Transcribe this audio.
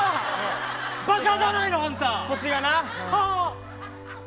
ばかじゃないの、あんた。